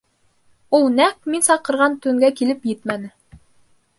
— Ул нәҡ мин саҡырған төнгә килеп етмәне.